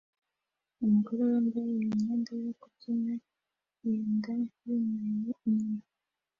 Umugore wambaye imyenda yo kubyina yinda yunamye inyuma